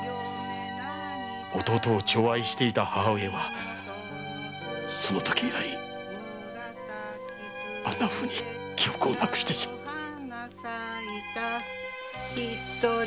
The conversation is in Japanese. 弟を寵愛していた母上はその時以来あんなふうに記憶をなくしてしまった。